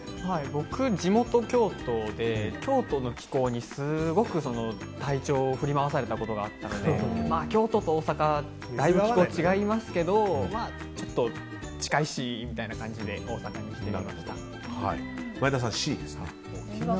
僕、地元が京都で京都の気候にすごく体調を振り回されたことがあったので京都と大阪はだいぶ気候が違いますけどまあ、近いしみたいな感じで前田さん、Ｃですね。